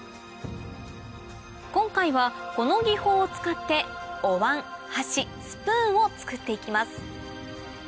今回はこの技法を使ってお椀箸スプーンを作って行きます